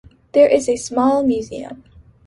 There is a small museum.